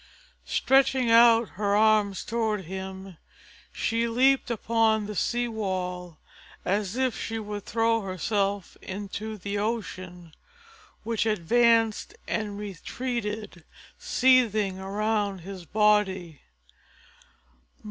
Stretching out her arms toward him, she leaped upon the sea wall as if she would throw herself into the ocean, which advanced and retreated, seething around his body.